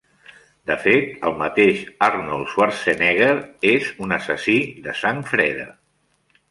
De fet, el mateix Arnold Schwarzenegger és un assassí de sang freda.